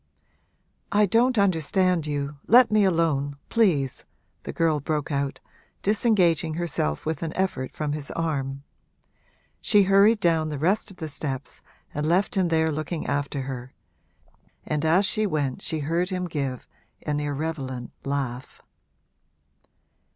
'I don't understand you let me alone, please!' the girl broke out, disengaging herself with an effort from his arm. She hurried down the rest of the steps and left him there looking after her, and as she went she heard him give an irrelevant laugh.